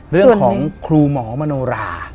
เรื่องของครูหมอมโนรา